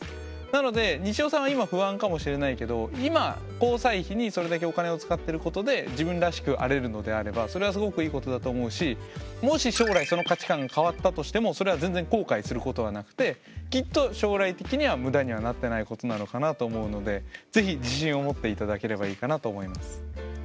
なのでにしおさんは今不安かもしれないけど今交際費にそれだけお金を使ってることで自分らしくあれるのであればそれはすごくいいことだと思うしもし将来その価値観が変わったとしてもそれは全然後悔することはなくてきっと将来的には無駄にはなってないことなのかなと思うのでぜひ自信を持って頂ければいいかなと思います。